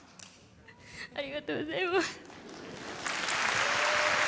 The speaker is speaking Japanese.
ありがとうございます。